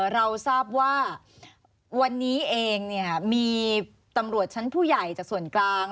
เราทราบว่าวันนี้เองมีตำรวจชั้นผู้ใหญ่จากส่วนกลาง